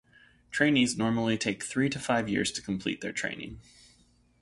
Trainees normally take three to five years to complete their training.